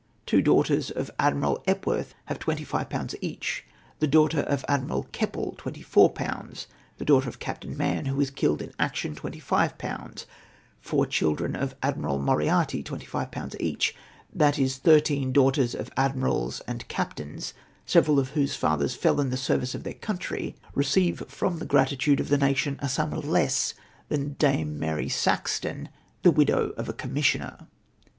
two daughters of Admiral Epworth have 25/. each, the daughter of Admiral Keppel 24/., the daughter of Captain ]Maun, who was killed in action, 25/., four children of Admiral Moriarty 25/. each. That is thirteen daughters of admirals and cap tains, several of whose fathers fell in the service of their country, receive from the gratitude of the nation a sum less than Dame Mary Sa.vton, the widovj of a corariiissioner.